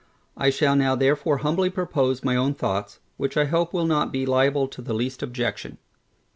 I shall now therefore humbly propose my own thoughts, which I hope will not be liable to the least objection.